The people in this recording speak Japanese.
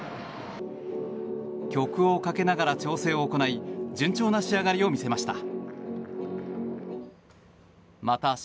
曲をかけながら調整を行い順調な仕上がりを見せました。